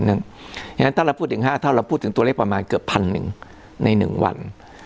เพราะฉะนั้นถ้าเราพูดถึง๕เท่าเราพูดถึงตัวเลขประมาณเกือบพันหนึ่งใน๑วัน